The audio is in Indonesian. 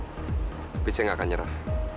tapi saya nggak akan nyerah